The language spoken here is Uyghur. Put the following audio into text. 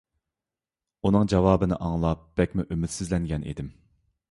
ئۇنىڭ جاۋابىنى ئاڭلاپ بەكمۇ ئۈمىدسىزلەنگەن ئىدىم.